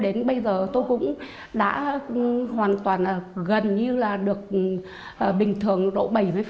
đến bây giờ tôi cũng đã hoàn toàn gần như là được bình thường độ bảy mươi